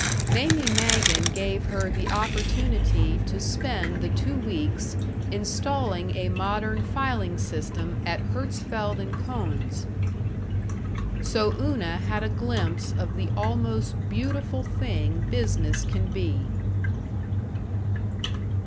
Mamie Magen gave her the opportunity to spend the two weeks installing a modern filing system at Herzfeld & Cohn's. So Una had a glimpse of the almost beautiful thing business can be.